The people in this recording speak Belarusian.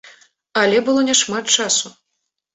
Але было няшмат часу.